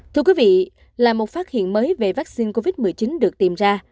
thưa quý vị là một phát hiện mới về vaccine covid một mươi chín được tìm ra